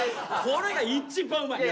これが一番うまい！